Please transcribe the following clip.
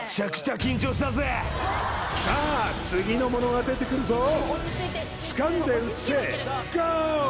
さあ次の物が出てくるぞつかんで移せゴー！